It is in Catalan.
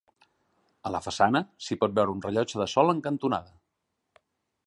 A la façana s'hi pot veure un rellotge de sol en cantonada.